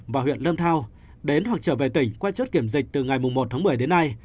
và huyện lâm thao đến hoặc trở về tỉnh quay chốt kiểm dịch từ ngày một tháng một mươi đến nay